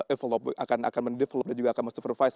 ini adalah nilai yang akan mendevelop dan juga akan mensupervise